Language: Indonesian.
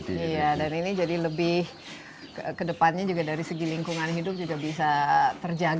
dan ini jadi lebih ke depannya juga dari segi lingkungan hidup juga bisa terjaga